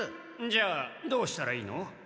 じゃあどうしたらいいの？